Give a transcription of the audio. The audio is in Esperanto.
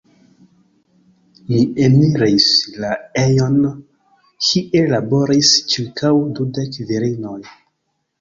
Mi eniris la ejon, kie laboris ĉirkaŭ dudek virinoj.